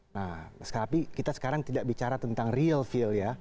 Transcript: nah sekarang kita sekarang tidak bicara tentang real feel ya